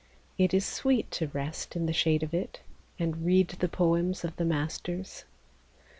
It is sweet to rest in the shade of it And read the poems of the masters.